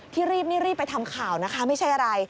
รีบนี่รีบไปทำข่าวนะคะไม่ใช่อะไร